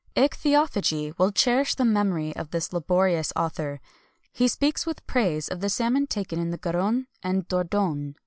[XXI 173] Ichthyophagy will cherish the memory of this laborious author. He speaks with praise of the salmon taken in the Garonne and Dordogne.